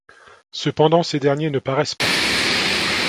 Cependant ces derniers ne paraissent pas.